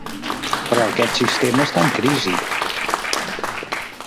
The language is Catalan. Però aquest sistema està en crisi.